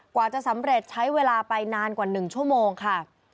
กว่าจะสำเร็จใช้เวลาไปนานกว่า๑ชั่วโมงค่ะ